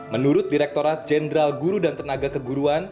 menurut direkturat jenderal guru dan tenaga keguruan